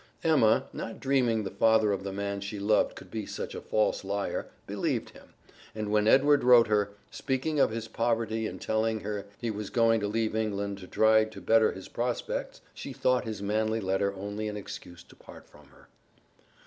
Emma, not dreaming the father of the man she loved could be such a false liar, believed him, and when Edward wrote her, speaking of his poverty and telling her he was going to leave England to try to better his prospects, she thought his manly letter only an excuse to part from her.